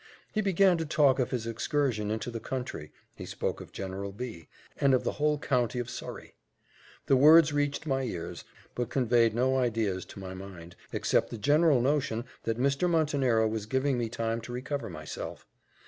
He began to talk of his excursion into the country he spoke of General B and of the whole county of Surrey. The words reached my ears, but conveyed no ideas to my mind, except the general notion that Mr. Montenero was giving me time to recover myself.